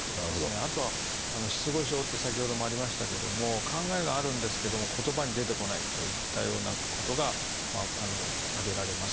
あとは「失語症」って先ほどもありましたけども考えがあるんですけども言葉に出てこないといったようなことが挙げられます。